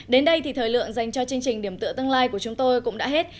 đến đây thì thời lượng dành cho chương trình điểm tựa tương lai của chúng tôi cũng đã hết